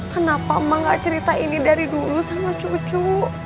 kenapa emak gak cerita ini dari dulu sama cucu